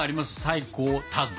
最高タッグ。